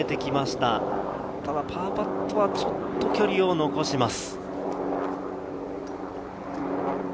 ただパーパットはちょっと距離を残します。